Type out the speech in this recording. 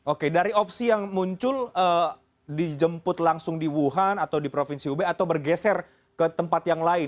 oke dari opsi yang muncul dijemput langsung di wuhan atau di provinsi hubei atau bergeser ke tempat yang lain